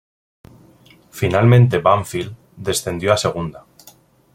Finalmente Banfield descendió a Segunda.